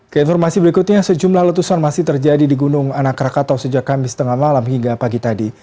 keinformasi berikutnya sejumlah letusan masih terjadi di gunung anak rakatau sejak kamis tengah malam hingga pagi tadi